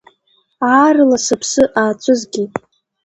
Аарла сыԥсы ацәызгеит…